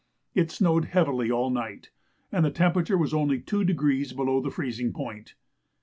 It snowed heavily all night, and the temperature was only two degrees below the freezing point.